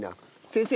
先生